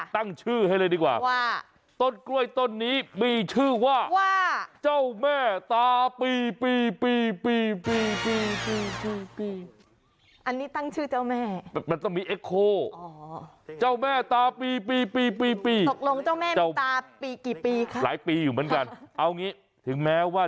ตั้งชื่อให้เลยดีกว่าต้นกล้วยต้นนี้มีชื่อว่า